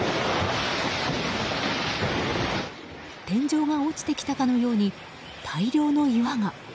天井が落ちてきたかのように大量の岩が。